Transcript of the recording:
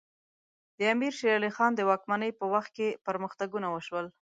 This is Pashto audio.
د امیر شیر علی خان د واکمنۍ په وخت کې پرمختګونه وشول.